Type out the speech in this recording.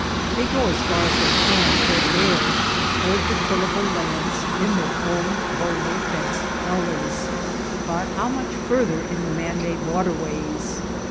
They go as far as they can, or dare, toward the tillable lands in their own boulder fenced gullies — but how much farther in the man made waterways.